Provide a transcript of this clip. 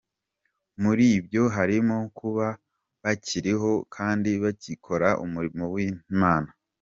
Muri byo harimo kuba bakiriho kandi bagikora umurimo w’Imana.